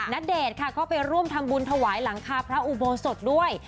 ณเดชน์ค่ะก็ไปร่วมทำบุญถวายหลังคาพระอุโบสถด้วย